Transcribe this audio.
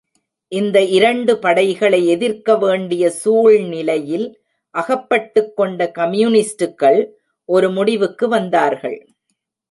இந்த இரண்டு படைகளை எதிர்க்க வேண்டிய சூழ்நிலையில் அகப்பட்டுக்கொண்ட கம்யூனிஸ்டுகள் ஒரு முடிவுக்கு வந்தார்கள்.